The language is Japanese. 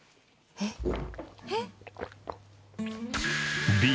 えっ？えっ？